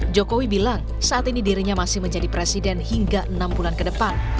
jokowi bilang saat ini dirinya masih menjadi presiden hingga enam bulan ke depan